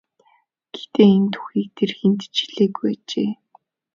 Гэхдээ энэ түүхийг тэр хэнд ч хэлээгүй ажээ.